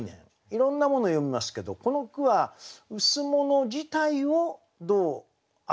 いろんなものを詠みますけどこの句は「羅」自体をどう表すかと。